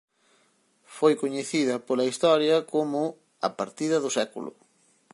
Foi coñecida pola historia como "a partida do século".